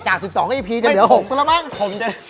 จาก๑๒ปีจะเดี๋ยว๖ซักแล้วบ้าง